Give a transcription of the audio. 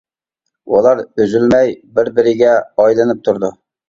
ئۇلار ئۈزۈلمەي بىر بىرىگە ئايلىنىپ تۇرىدۇ.